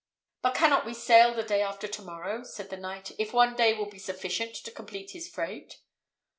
"But cannot we sail the day after to morrow," said the knight, "if one day will be sufficient to complete his freight?"